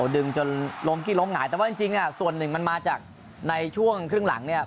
ดึงจนล้มกี้ล้มหงายแต่ว่าจริงส่วนหนึ่งมันมาจากในช่วงครึ่งหลังเนี่ย